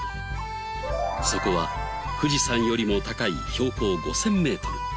そこは富士山よりも高い標高５０００メートル。